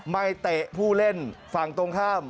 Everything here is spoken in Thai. เตะผู้เล่นฝั่งตรงข้าม